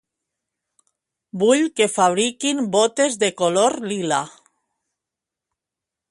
Vull que fabriquin botes de color lila